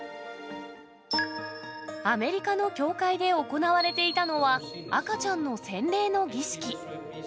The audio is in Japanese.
アメリカの教会で行われていたのは、赤ちゃんの洗礼の儀式。